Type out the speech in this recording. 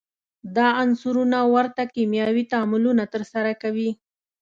دا عنصرونه ورته کیمیاوي تعاملونه ترسره کوي.